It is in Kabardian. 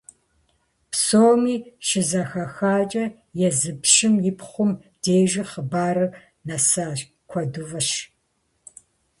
- Псоми щызэхахакӀэ, езы пщым и пхъум дежи хъыбарыр нэсащ, куэду фӀыщ.